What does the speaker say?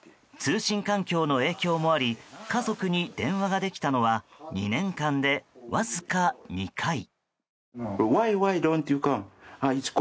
通信環境の影響もあり家族に電話ができたのは２年間で、わずか２回。